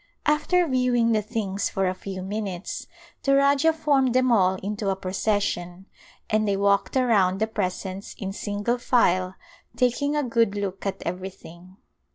After viewing the things for a few minutes the Rajah formed them all into a procession and they walked around the presents in single file taking a good look at everything.